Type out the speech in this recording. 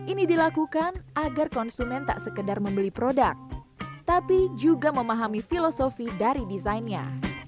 ini dilakukan agar konsumen tak sekedar membeli produk tapi juga memahami filosofi dari desainnya